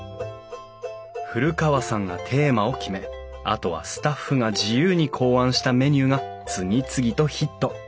古川さんがテーマを決めあとはスタッフが自由に考案したメニューが次々とヒット。